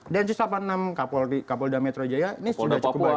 dan si sapa enam kapolda metro jaya ini sudah cukup baik